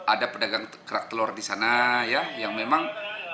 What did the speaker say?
ada pedagang kerak telur di sana ya yang memang